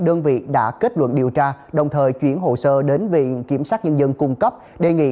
đơn vị đã kết luận điều tra đồng thời chuyển hồ sơ đến viện kiểm sát nhân dân cung cấp đề nghị